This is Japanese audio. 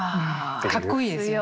かっこいいですよね。